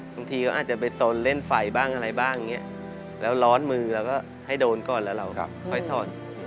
บางทีเขาอาจจะไปสนเล่นไฟบ้างอะไรบ้างอย่างนี้แล้วร้อนมือเราก็ให้โดนก่อนแล้วเราค่อยสอน